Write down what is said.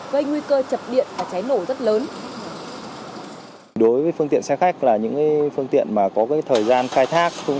gây nguy cơ chập điện và cháy nổ rất lớn